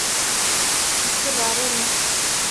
اس کے بارے میں